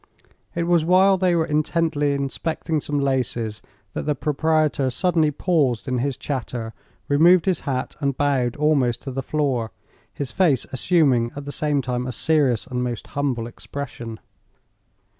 It was while they were intently inspecting some laces that the proprietor suddenly paused in his chatter, removed his hat and bowed almost to the floor, his face assuming at the same time a serious and most humble expression.